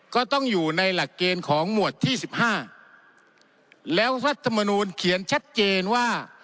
ก็ต้องอยู่ในหลักเกณฑ์ของหมวดที่สิบห้าแล้วรัฐมนูลเขียนชัดเจนว่า